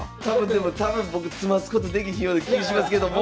でも多分僕詰ますことできひんような気いしますけども。